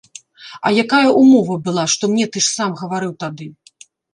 А якая ўмова была, што мне ты ж сам гаварыў тады?